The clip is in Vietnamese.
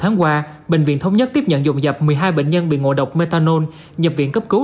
tháng qua bệnh viện thống nhất tiếp nhận dòng dập một mươi hai bệnh nhân bị ngộ độc metanol nhập viện cấp cứu